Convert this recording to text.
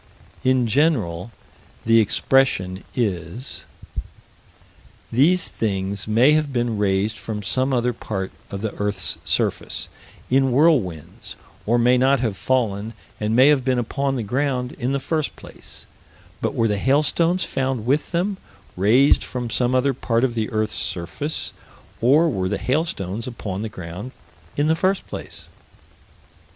In general, the expression is: These things may have been raised from some other part of the earth's surface, in whirlwinds, or may not have fallen, and may have been upon the ground, in the first place but were the hailstones found with them, raised from some other part of the earth's surface, or were the hailstones upon the ground, in the first place?